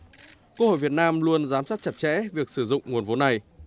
trong năm quốc hội việt nam luôn giám sát chặt chẽ việc sử dụng nguồn vốn này